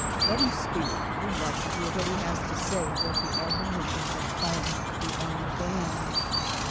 ^*Let him speak; we'd like to hear what he has to say,'* was the admoni tion that calmed the armed band.